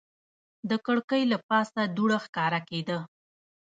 د کړکۍ له پاسه دوړه ښکاره کېده.